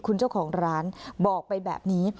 คุณเจ้าของร้านบอกไปแบบนี้